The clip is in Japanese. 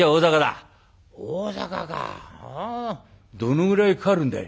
どのぐらいかかるんだい？」。